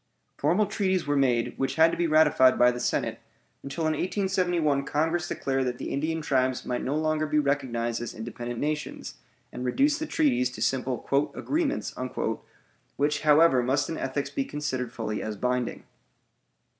Formal treaties were made which had to be ratified by the Senate, until in 1871 Congress declared that the Indian tribes might no longer be recognized as independent nations, and reduced the treaties to simple "agreements," which, however, must in ethics be considered fully as binding.